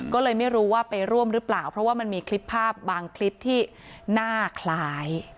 ก็เลยไม่รู้ว่าไปร่วมหรือเปล่าเพราะว่ามันมีคลิปภาพบางคลิปที่หน้าคล้าย